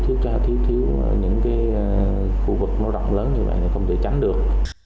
thiếu cho những khu vực nó đỏ lớn như vậy không thể tránh được